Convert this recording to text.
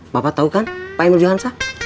bapak tau kan